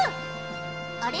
あれ？